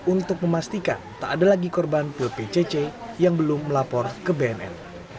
untuk memastikan tak ada lagi korban pil pcc yang belum melapor ke bnn